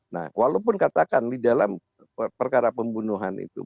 nah walaupun katakan di dalam perkara pembunuhan itu